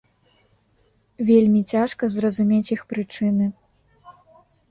Вельмі цяжка зразумець іх прычыны.